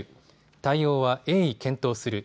対応は鋭意、検討する。